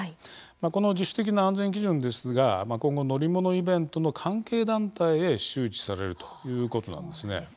この自主的な安全基準ですが今後、乗り物イベントの関係団体へ周知されるということなんです。